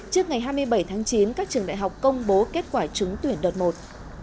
trước ngày hai mươi bảy tháng chín các trường đại học công bố kết quả trúng tuyển đợt một